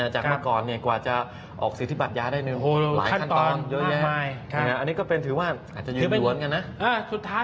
จากเมื่อก่อนนี่จะออกศิษย์ทธิบัตยักษ์ได้มากกว่าเป็นอะไร